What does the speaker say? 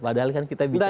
padahal kan kita bicara